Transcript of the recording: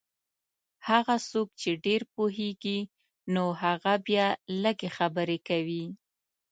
هغه څوک چې ډېر پوهېږي نو هغه بیا لږې خبرې کوي.